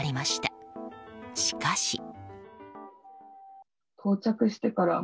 しかし。